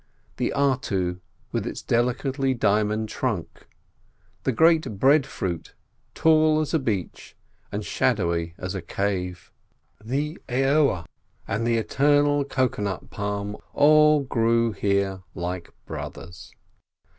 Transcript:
The artu with its delicately diamonded trunk, the great breadfruit tall as a beech, and shadowy as a cave, the aoa, and the eternal cocoa nut palm all grew here like brothers.